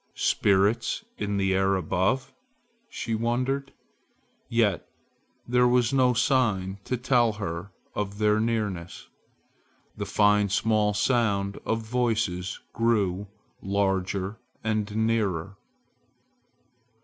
"Spirits in the air above?" she wondered. Yet there was no sign to tell her of their nearness. The fine small sound of voices grew larger and nearer.